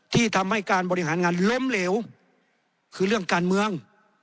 ที่ทำให้การบริหารงานล้มเหลวคือเรื่องการเมือง